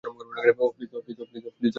Oh, please!